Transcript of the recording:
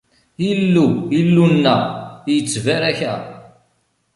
Illu, Illu-nneɣ, ittbarak-aɣ.